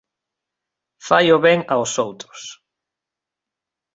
Fai o ben aos outros.